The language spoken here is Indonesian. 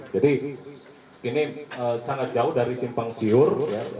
jadi ini sangat jauh dari simpang siur